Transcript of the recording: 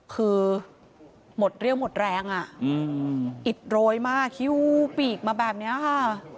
คือหมดเรี่ยวหมดแรงอิดโรยมากคิ้วปีกมาแบบนี้ค่ะ